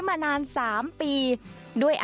ไฟรัสช่วยด้วย